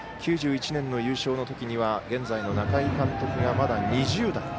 ９１年の優勝のときには現在の中井監督が、まだ２０代。